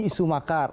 ini isu makar